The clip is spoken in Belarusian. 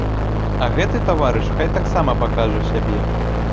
А гэты таварыш хай таксама пакажа сябе.